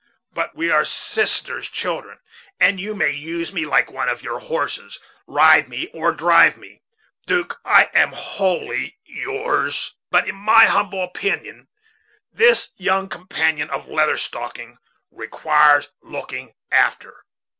But we are sisters' children we are sisters' children, and you may use me like one of your horses; ride me or drive me, 'Duke, I am wholly yours. But in my humble opinion, this young companion of Leather Stocking requires looking after.